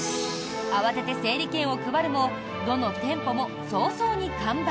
慌てて整理券を配るもどの店舗も早々に完売。